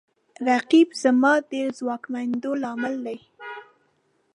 رقیب زما د ځواکمنېدو لامل دی